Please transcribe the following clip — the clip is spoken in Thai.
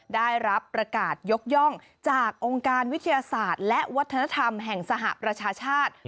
ได้รับประกาศยกย่องจากองค์การวิทยาศาสตร์และวัฒนธรรมแห่งสหประชาชาติ